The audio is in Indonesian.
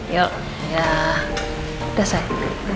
ya udah sayang